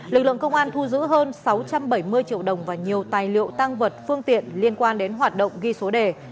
lực lượng công an thu giữ hơn sáu trăm bảy mươi triệu đồng và nhiều tài liệu tăng vật phương tiện liên quan đến hoạt động ghi số đề